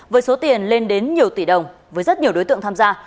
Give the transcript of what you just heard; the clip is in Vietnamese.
với số tiền lên đến nhiều tỷ đồng với rất nhiều đối tượng tham gia